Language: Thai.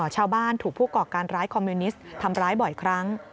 ชาวบ้านถูกผู้ก่อการร้ายคอมมิวนิสต์ทำร้ายบ่อยครั้ง